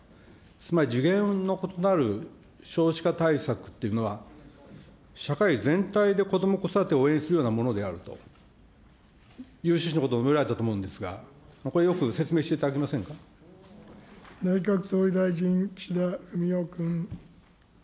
つまり次元の異なる少子化対策というのは、社会全体でこども・子育てを応援するようなものであるというような趣旨のことを述べられたと思うんですが、これ、よく説明してい内閣総理大臣、岸田文雄君。